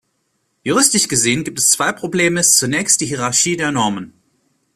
Juristisch gesehen gibt es zwei Problemeist zunächst die Hierarchie der Normen.